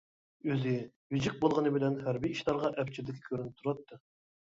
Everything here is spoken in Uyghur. ئۆزى ۋىجىك بولغىنى بىلەن ھەربىي ئىشلارغا ئەپچىللىكى كۆرۈنۈپ تۇراتتى.